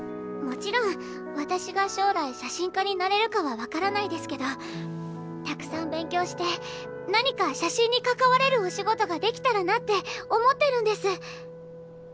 もちろん私が将来写真家になれるかは分からないですけどたくさん勉強して何か写真に関われるお仕事ができたらなって思ってるんです。